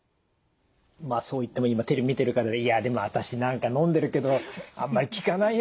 まあそう言っても今テレビ見てる方で「いやでも私なんかのんでるけどあんまり効かないような気がするのよね」